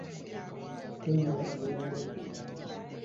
Wummula mirembe Maama!